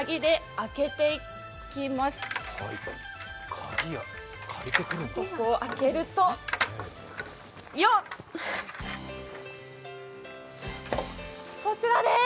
開けると、こちらです。